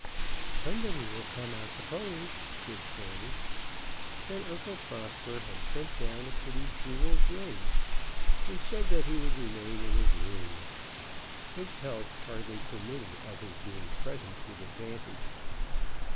"Somebody will come, I suppose," said Fanny. Then Uncle Prosper had sent down a pretty jewelled ring, and said that he would remain in his room. His health hardly permitted of his being present with advantage.